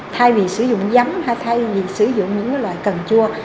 thay vì sử dụng giấm hay thay vì sử dụng những cái loại cần chua